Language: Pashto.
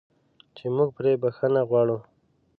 چې موږ پرې بخښنه غواړو.